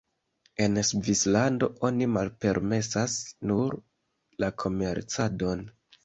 En Svislando, oni malpermesas nur la komercadon.